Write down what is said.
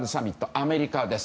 アメリカです。